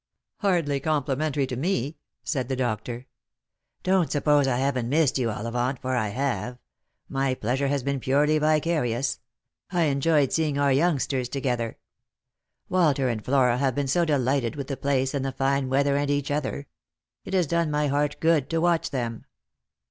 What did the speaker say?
" Hardly complimentary to me," said the doctor. " Don't suppose I haven't missed you, Ollivant, for I have. My pleasure has been purely vicarious. I enjoyed seeing our )) jungsters together. Walter and Flora have been so delighted with the place and the fine weather and each other. It has done my heart good to watch them."